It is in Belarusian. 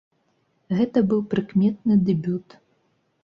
Гэта быў прыкметны дэбют.